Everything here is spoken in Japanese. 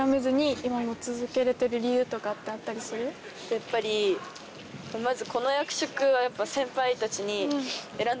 やっぱりまず。